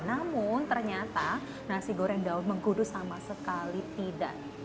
namun ternyata nasi goreng daun mengkudu sama sekali tidak